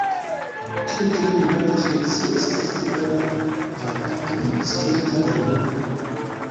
Tiu tre migranta specio estas tre rara vaganto en okcidenta Eŭropo.